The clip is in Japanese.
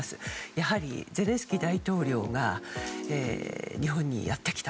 やはりゼレンスキー大統領が日本にやってきた。